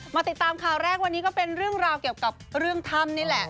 ติดตามข่าวแรกวันนี้ก็เป็นเรื่องราวเกี่ยวกับเรื่องถ้ำนี่แหละ